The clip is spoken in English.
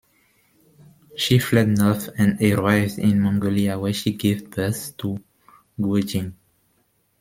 She fled north and arrived in Mongolia, where she gave birth to Guo Jing.